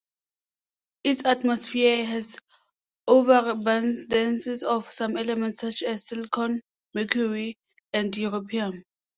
Its atmosphere has overabundances of some elements, such as silicon, mercury, and europium.